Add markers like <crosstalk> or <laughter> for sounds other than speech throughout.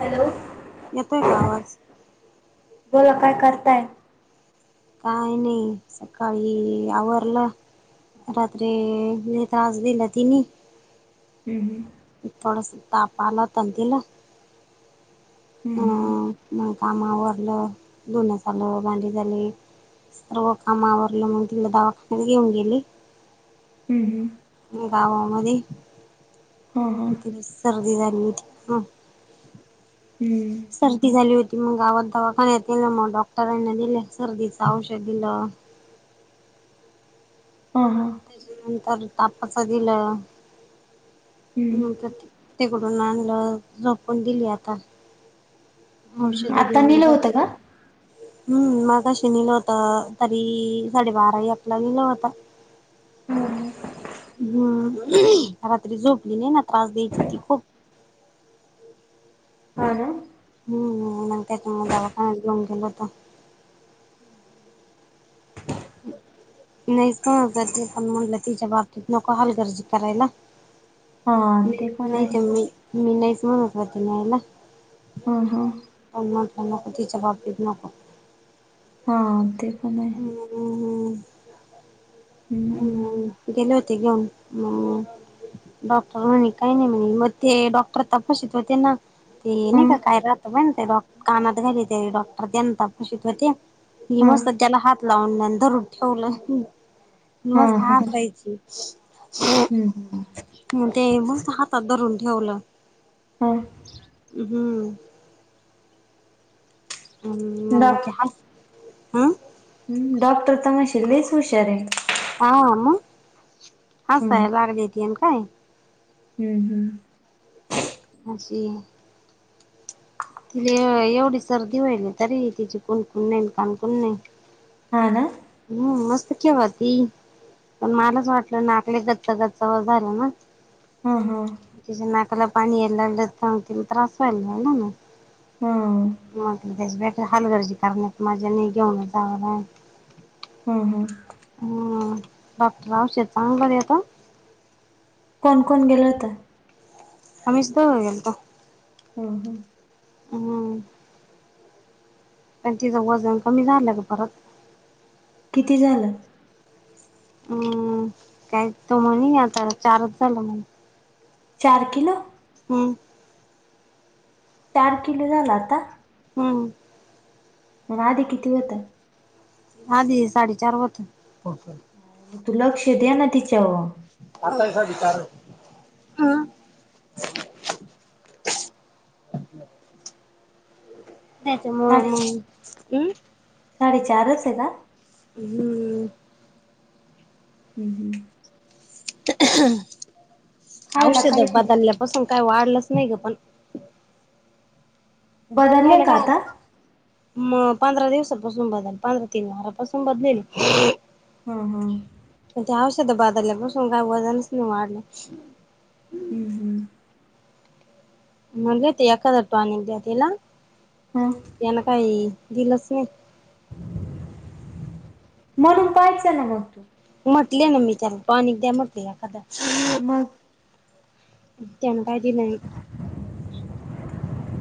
Hello येतोय का आवाज? बोला काय करताय? काय नाही सकाळी आवरवरला राात्री नेत्रज दिलाती न हम थोडस ताप आला त तला हम् हम् मग कामा वरलं दोनस आलं भांडी झाली. रग कामावर ल मु दिलं दवा न घेऊ गेली. हम् हम् गावामध्ये हा हा ति सर्दी झाली होती ह. हम्म सर्दी झाली होती मग गावात दवाखानण्यात येल मग डॉक्टरांना दिले सर्दीच औषध दिलं. हम हम त्याच्या नंतर तापाच दिलं हम्म तर तिकडून आणलं झोपून दिली आता. आता औषधधऊन नेलं जा. होतं का? हम्म मग कशी लिहिलं होत तरी साडेबाराही आपला लिहिलं होत. हम् हम्म रात्री झोपली नाही ना त्रास द्यायची ती खूप हा हम्म नय म दवाख ग गत हम्म हम् <unintelligible> नाहीण ते पण म्हणलं तिच्या बाबतीत नको हल गर्ज करायला. हा नाही ते पण नाही आहे तर मी मी नाहीच म्हणत होती नाहीयला. हा हा नकती जबाब दे नक हा ते पण आहे. हम्म हम्म गेले होते घेऊन मम. डॉक्टर म्हणे काही नाही म्हणे मग ते डॉक्टर तपसित होते ना. ते नाही हा का काय राहतई ते डॉक्र कानात घली ते डॉक्टर त्यांन तपशीत होते. ह हा मस त्याला हात लावूनंतर ठेवलं हा म हा ह हम्म ते मस्त हातात धरून ठेवलं. हा हम्म <unintelligible> हं हम् डॉक्टर तर मशल लई हुशार आहे. हा मग हम्म हसाय लाग देत काय. हम्म हम् अशी तिले एवढी सर्दी व्हाली तरी तिची कुणकुण नाही कानकुण नाही. हा ना. हम्म मस्त खेळवती. पण मलाच वाटलं नाकले गच्च गच्चा व झालं ना हा हा. तिच्या नाकाला पाणी यायला लागलं त त्रास व्हायला लागला नाग. हम. मग त्याची ब हालगर्जी करण्यात मज्या नाही घेऊनच जावं लागल. हम हम. डॉक्टर औषध चांगलं देतो. कोण कोण गेल होता. आम्हीच दोघं गेल तो. हम हम. हम. पण तिचं वजन कमी झालं ग परत. किती झालं. हम्म काय तो म्हणे आता चारच झालं म्हण. चार किलो. हम. चार किलो झाल आता. हमं. मग आधी किती होत. आधी साडेचार होत. तू लक्ष द्या ना तिच्यावर. आतास विचार <unintelligible> त्याच्यामुळे मग हम्. साडे चार च येका. हम्म. हम् हम्. खायला औषध काय ते बदलल्यापासून काय वाढलंच नाही ग पण बदलले खाला का काय आता हा <unintelligible> मग पंधरा दिवसापासून बदल पंधरा तीन वारापासून बदलेल. हा हा. म्हणे औषध बादल्या पासून काय वजनच नाही वाढलं. हम्म हम्. म्हणली होती एखादं टॉनिक द्या तिला. हा त्यान काई दिलच नाही. म्हणून पाहायचं ना मग म्हटले ना मी त्याला टॉनिक द्या म्हटलं एखाद मग. तेन काय दिल नाही.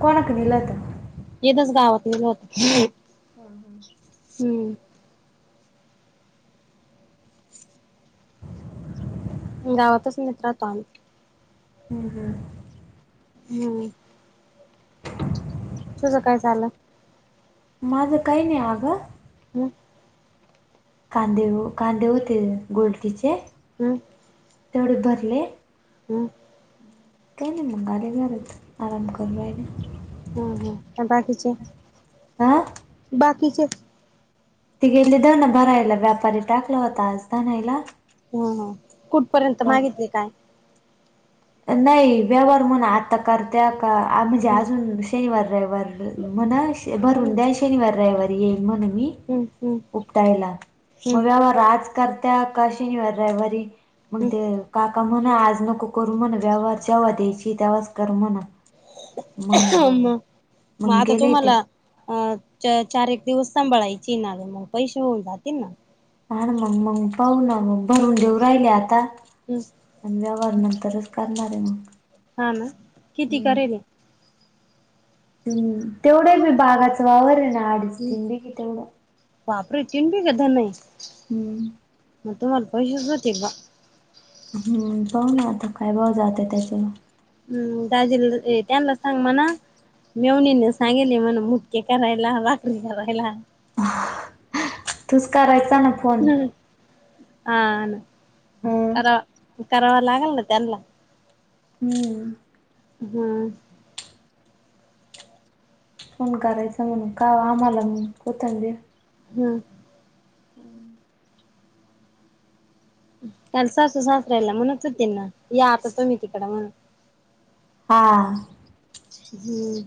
कोणा कड दिलं होतं. येनच गावात नेलं होत. हम हम <inaudible> हम्म <unintelligible> गावातच नाहीत राहतो आम्ही हम्म हं नाय. तुझं काय चालला माझं काही नाही आगं. हम्. कांदे कांदे होते गोलतीचे. हम्म. तेवढ भरले हं काय नाय मंग आले घरी आराम करू राहिले. हा हा अनं बाकीचे आ बाकीचे ते गेले दळण भरायला व्यापारी टाकला होता आजत आणायला. हं हं कुठपर्यंत मागितली काय? नाही व्यवहार म्हणा आता करत्या का म्हणजे हम्म अजून शनिवार रयवार म्हणा भरून दयाय शनिवार रयवार येईन म्हणून मी हम्म हम्म उकटायला मग हम्म आज करत्यात का शनिवार रयावारी मग ते काका म्हणा आज नको करू म्हणा व्यवहार जेव्हा द्यायची तेव्हाच कर म्हणा. मंग म म मग आता गेले ते तुम्हाला अ चा चार एक दिवस सांभाळायची ना मग पैसे होऊन जातील ना का मग मग पाहू ना मंग भरून देऊ राहिले आता. <unintelligible> आणि व्यवहार नंतरच करणार ये मग हा ना किती करिले. तेवढं मी बाराच वावर हे ना आडीच हम्म तीन दे की तेवढं बापरे! तीन दिले तुम्ही हम्म म तुम्हाला पैसेच होतील बा हम्म पाहू ना आता काय भाव जातय त्याच्यावर हम्म दाजीना ये त्यांना सांग म्हणा मेवणीने सांगेले म्हण मुटके करायला भाकरी करायला. तूच करायचा ना फोन ह आ ना हम्म. करा करावा लागल ना त्यांला हम्म. हम्म फोन करायचा म्हणून का आम्हाला कोतंडी हम् हं पण सासू-सासर्‍याला म्हणत होते ना या आता तुम्ही म्हणून हा हम्म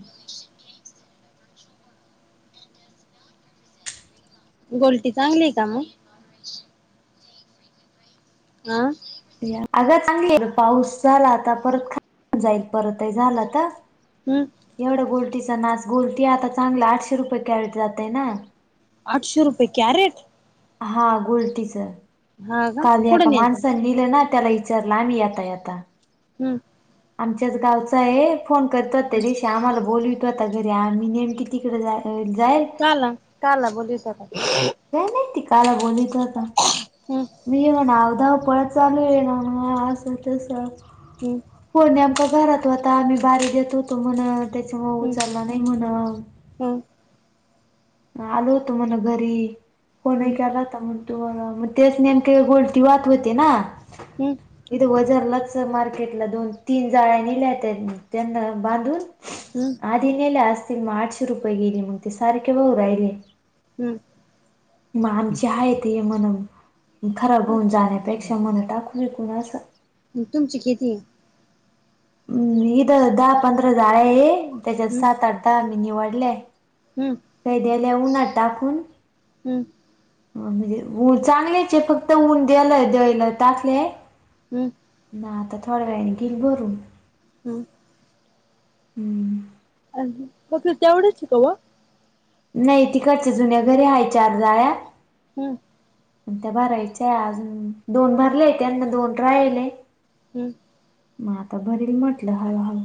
गोलटी चांगली आहे का म आ आग चांगली पाऊस झाला आता परत खा जाईल परतही झाला त हम्म एवढं गोलटीचा नाच गोलटी आता चांगलं आठशे रुपये कॅरेट जात य ना आठशे रुपये कॅरेट. हा गोलटीच हा का काल हया कुठं आता नेत्या माणसानी दिल ना त्याला इचारलं आम्ही येता येता. हम्म.. आमच्याच गावचा ये फोन करतात त्या दिवशी आम्हाला बोलवी होता घरी आ मी नेमकी तिकडं जाएल. काआला काआला बोलवीत होता. काय माहिती काआला बोलवत होता. हम्म मी ये ना अधा पळत चालू आहे ना म असं तस. ह <inaudible> होणी आमका घरात होता आम्ही बारी देत होतो म्हण त्याच्यामु उचलला नाही म्हण. हा आलो होतो मणा घरी फोन केलाता मग तू मग तेच नेम का गोलती वा. ते ना. हम्म हम्म इथे वजारलाच मार्केटला दोन तीन जाळ्या निल्यात त्यांना बांधून. हं <inaudible> अद दिनेल असतती मग आठशे रुपयेईली मग ते सारीखे बघ राहिली. हम्म मग आमचे आहेत हे मण खराब होऊन जाण्यापेक्षा मन टाकू शिकण असं. तुमची खेती. हम् इीथ दहा पंधरा जाड आहे त्याच्यात हम्म सात अर्ताा मी निवडलेय. हम्म. केैद्या ललेवून हाड्टाकून. हम्म म्हणजेऊन चांगल्याचे फक्त ऊन द्याला देयला टाकले. हम्. ना आता थोड्या वेळाने गेल बरून. हम्म. हम्म. अ फक् तेवढंच आहे का. नाही तिकडच्या जुन्या घरी हाय चार जाळ्या.. हम्म. त्या भरायच्याय अजून दोन भरले त्यांना दोन राहिले. हम्म. मग आता भरील म्हटलं हळ हळ.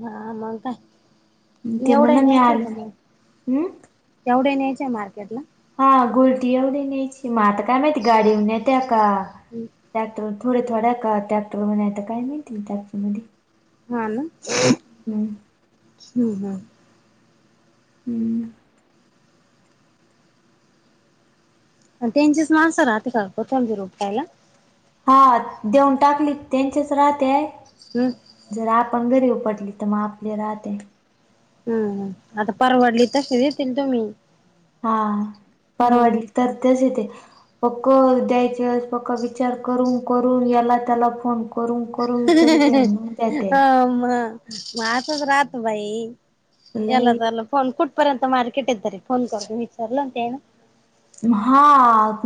हा मग काय ते म्हणा एवढं मी न्यायच आले का मग. हम्म तेवढे न्यायच आहे मार्केट ला. हा गोलटी एवढी न्यायची म आता काय माहिती गाडी नेत्या का. ट्रॅक्टर थोड थोड्या का ट्रॅक्टरणता काय मिळतील ट्रॅक्टर मध्ये. हा ना. हम्. हम् हम. हम्म. त्यांंचीस माणसं राहते का कोत आम रोपकायला हा देऊन टाकली त्यांचेच राहा ते हम जर आपण घरी उ पटली तर मग आपली राहते. हम्मम आता परवडली तशी देतील तुम्ही. हा मग परवडली तर तस ते. पक्क द्यायचे वेळेस पक्का विचार करून करून याला त्याला फोन कर. करून करून विचारित त्यांनी त्या ते. का म माह्यरांत राहतो बाई याला लई त्याला फोन कुठ. तो पर्यंत मार्केट आहे तरी फोन करुन विचारल होते ना. हा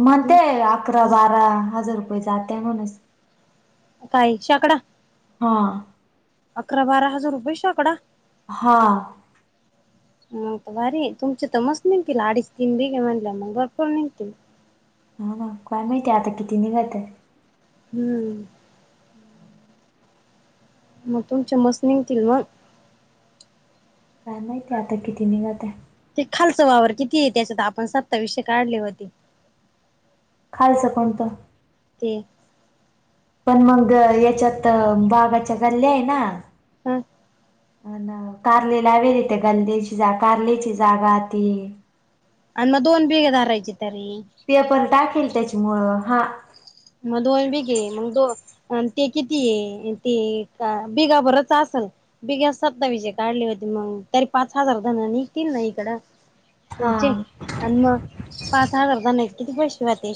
म ते अकरा बारा हजार रुपये जातय म्हनुनच. काही, शेकडा अकरा-बारा हजार रुपये शेकडा. हा. मग भारी तुमचे तर मस्त निघतील अडीच तीन बेगे म्हणल्या मग भरपूर निघतील. हा ना काय माहितीय आता किती निघत आहे. हम्म. मग तुमच्या मस निघतील मग. काय माहिती आता किती निघत आहे. ते खालच वावर किती आहे त्याच्यात आपण सत्ताविषे काढले होते. खालच कोणत ते पण मग याच्यात बाघाच्या गल्ल्या आहे ना. हम. अ कारले लावेलीेत गंदेची जा कारलीची जागा ती. आणि मग दोन बेघे धारायचे तरी. पेपर टाकेल त्याच्यामुळं हा. म दोन बी घे मग दोन. आणि ते किती ते बिघा बरच असेल. बिघ्या सत्तावीसे काढली होती मग तरी पाच हजार धन निघतील ना इकडं. हा तुमची. आता आणि मग पाच हजार तर नाही किती पैसे वाढते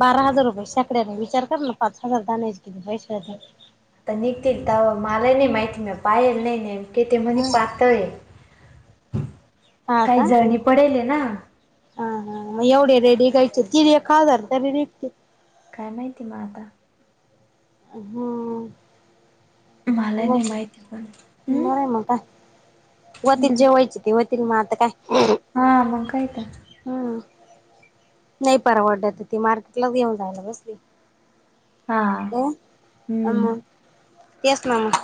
बारा हजार रुपये. शेकड्या ने विचार कर ना पाच हजार जााण्याचे कती पैशे झाले. तर निघतील तर मलाही नाही माहित पाहिल नाही. तेच्या मध्ये ह पातळ हा काही का जळणी पडेल ना. हा एवढे रेडी घायचे तिने एक आजार तरी निघते. काय माहिती मग आता. हो. मला हो नाही माहिती पण हम्म बर म आता होतील हम्म जे व्हायचे ते होतील. तिच म आता काय. हा मं काय तर. हम् नाही परवडत ती मार्केटलाच घेऊन जायला बसली. हा हो आणि हम्म मग तेच ना मग.